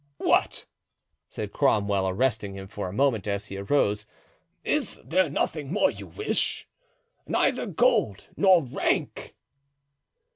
"What!" said Cromwell, arresting him for a moment as he arose; "is there nothing more you wish? neither gold nor rank?"